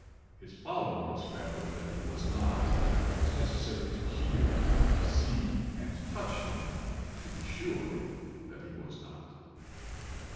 His followers felt that he was not. It was necessary to hear and see and touch him to be sure that he was not.